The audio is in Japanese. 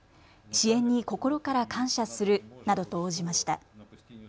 支援に心から感謝するなどと応じました。